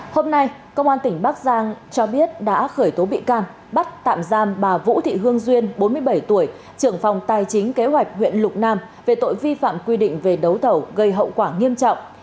hôm nay công an tỉnh bắc giang cho biết đã khởi tố bị can bắt tạm giam bà vũ thị hương duyên bốn mươi bảy tuổi trưởng phòng tài chính kế hoạch huyện lục nam về tội vi phạm quy định về đấu thầu gây hậu quả nghiêm trọng